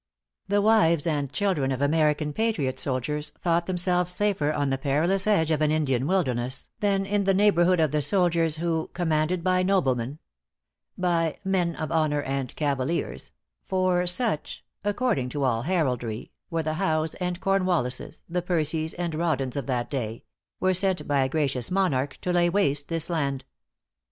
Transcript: The wives and children of American patriot soldiers thought themselves safer on the perilous edge of an Indian wilderness, than in the neighborhood of the soldiers who, commanded by noblemen by "men of honor and cavaliers," for such, according to all heraldry, were the Howes and Cornwallises, the Percies and Rawdons of that day were sent by a gracious monarch to lay waste this land.